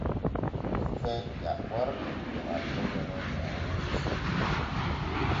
Tufe jaɓɓorɗe faddoto nun nyawuuji.